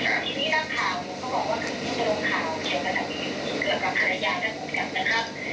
ทีนี้นักข่าวมึงก็บอกว่าทีนี้นักข่าวมันก็จะมีเกิดกับธรรยายและผู้จัดการ